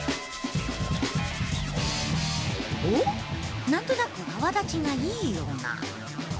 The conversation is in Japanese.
おっ、なんとなく泡立ちがいいような。